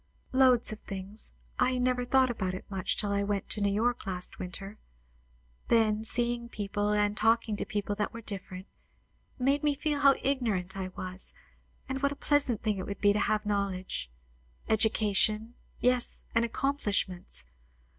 "Loads of things. I never thought about it much, till I went to New York last winter; then, seeing people and talking to people that were different, made me feel how ignorant I was, and what a pleasant thing it would be to have knowledge education yes, and accomplishments.